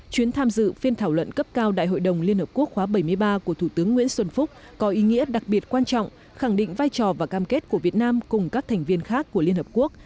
chuyến tham dự phiên thảo luận cấp cao đại hội đồng liên hợp quốc khóa bảy mươi ba của thủ tướng nguyễn xuân phúc có ý nghĩa đặc biệt quan trọng khẳng định vai trò và cam kết của việt nam cùng các thành viên khác của liên hợp quốc